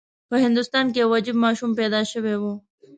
په هندوستان کې یو عجیب ماشوم پیدا شوی و.